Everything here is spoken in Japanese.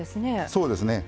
そうですね。